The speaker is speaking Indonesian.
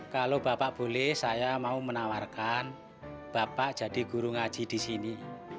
kalau bapak boleh saya mau menawarkan bapak jadi guru ngaji di sini